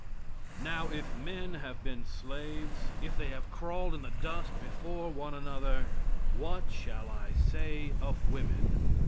Now, if men have been slaves, if they have crawled in the dust before one another, what shall I say of women?